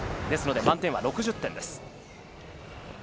ですので満点は６０点です。